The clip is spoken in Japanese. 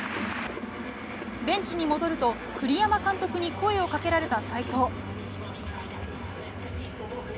ベンチに戻ると栗山監督に声をかけられた斎藤。